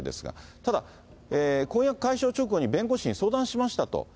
ただ、婚約解消直後に弁護士に相談しましたと。